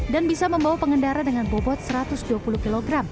dan bisa membawa pengendara dengan bobot satu ratus dua puluh kg